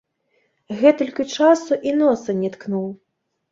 Гэтулькі часу і носа не ткнуў.